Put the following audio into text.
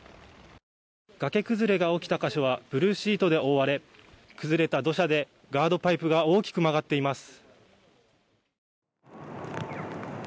崖崩れが起きた箇所はブルーシートで覆われ崩れた土砂でガードパイプが大きく曲がっています。